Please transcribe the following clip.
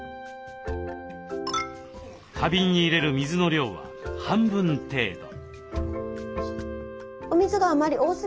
花瓶に入れる水の量は半分程度。